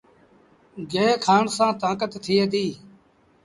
گيه کآڻ سآݩ تآݩڪت ٿئي ديٚ۔